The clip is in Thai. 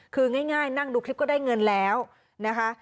คือง่ายนั่งดูคลิปก็ได้เงินแล้วนะคะ